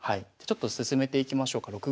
ちょっと進めていきましょうか。